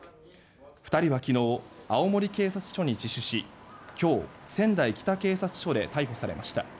２人は昨日青森警察署に自首し今日、仙台北警察署で逮捕されました。